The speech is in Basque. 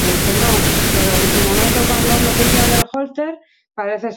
Pozten naiz hemen zaudelako.